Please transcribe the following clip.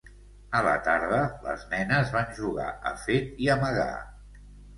A la tarda, les nenes van jugar a fet i amagar.